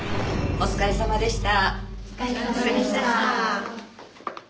お疲れさまでした。